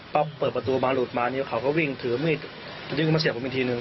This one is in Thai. ก็เปิดประตูมาหลุดมานิ้วเขาก็วิ่งถือมีดวิ่งมาเสียบผมอีกทีหนึ่ง